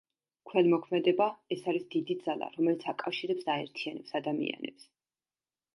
ქველმოქმედება–ეს არის დიდი ძალა, რომელიც აკავშირებს და აერთიანებს ადამიანებს.